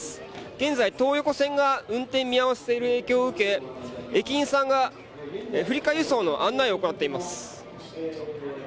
現在、東横線が運転見合わせている影響を受け駅員さんが振り替え輸送の案内を行っています。